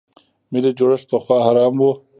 ملي جوړښت پخوا حرام و.